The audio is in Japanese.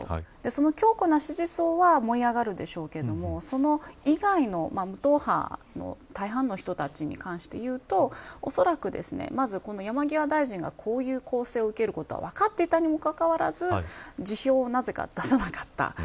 その強固な支持層は燃え上がるでしょうけどそれ以外の無党派の大半の人たちに関していうとおそらく、まず山際大臣がこういう攻勢を受けることは分かっていたにもかかわらず辞表をなぜか出さなかった。